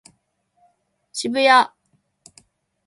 渋谷